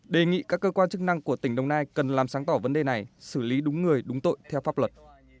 đề nghị các cơ quan chức năng của tỉnh đồng nai cần làm sáng tỏ vấn đề này xử lý đúng người đúng tội theo pháp luật